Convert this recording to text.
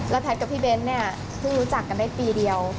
แล้วแพทย์กับพี่เบนพึ่งรู้จักกันได้ปีเดียว